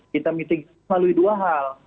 kita meeting melalui dua hal